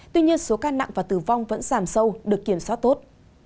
tuy nhiên số ca nặng và tử vong vẫn giảm sâu được kiểm soát tốt